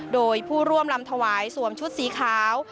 โดยผู้ร่วมลำถวายสวมชุดสีขาว